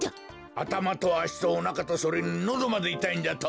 あたまとあしとおなかとそれにのどまでいたいんじゃと！？